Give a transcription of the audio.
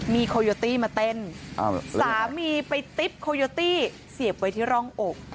มีโคโยตี้มาเต้นอ้าวเรื่องอะไรสามีไปติ๊บโคโยตี้เสียบไว้ที่ร่องอก